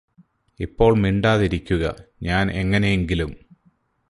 ഇപ്പോൾ മിണ്ടാതിരിക്കുക ഞാന് എങ്ങനെയെങ്കിലും